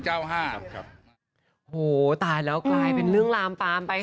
โอ้โหตายแล้วกลายเป็นเรื่องลามปามไป